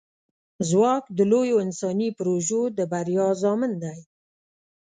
ځواک د لویو انساني پروژو د بریا ضامن دی.